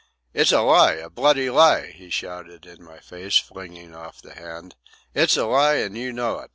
"It's a lie! a bloody lie!" he shouted in my face, flinging off the hand. "It's a lie, and you know it.